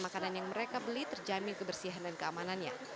makanan yang mereka beli terjamin kebersihan dan keamanannya